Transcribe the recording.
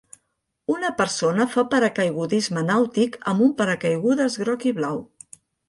Una persona fa paracaigudisme nàutic amb un paracaigudes groc i blau.